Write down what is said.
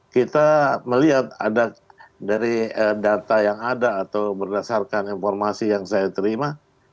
kita melihat ada dari data yang ada atau berdasarkan informasi yang saya terima